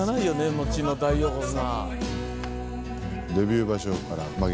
後の大横綱。